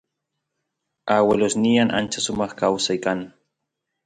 aguelosnyan ancha sumaq kawsay kan